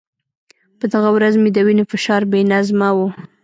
په دغه ورځ مې د وینې فشار بې نظمه و.